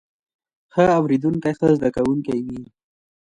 ښه اوریدونکی ښه زده کوونکی وي